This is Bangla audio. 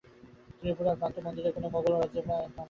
ত্রিপুরার প্রান্তে মন্দিরের কোণে মোগল-রাজ্যের সংবাদ বড়ো পৌঁছিত না।